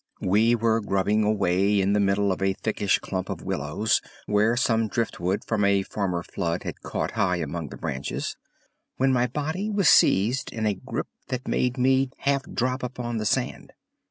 We were grubbing away in the middle of a thickish clump of willows where some driftwood from a former flood had caught high among the branches, when my body was seized in a grip that made me half drop upon the sand.